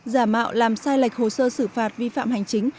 giả mạo làm sai lệch hồ sơ xử phạt vi phạm hành chính